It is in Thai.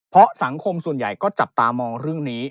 เพราะสังคมส่วนใหญ่ก็จับตามองเรื่องนี้